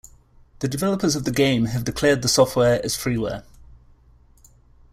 The developers of the game have declared the software as freeware.